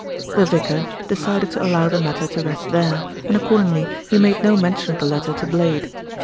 The vicar decided to allow the matter to rest there, and accordingly he made no mention of the letter to Blade.